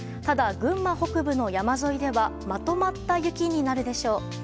ただ、群馬北部の山沿いではまとまった雪になるでしょう。